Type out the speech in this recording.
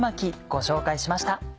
ご紹介しました。